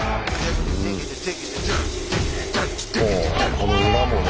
この裏もね。